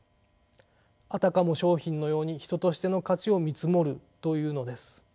あたかも商品のように人としての価値を見積もるというのです。